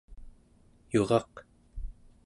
yuraq